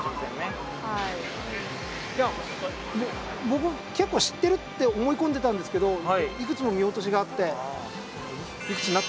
僕結構知ってるって思い込んでたんですけどいくつも見落としがあって。